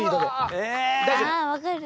あ分かる。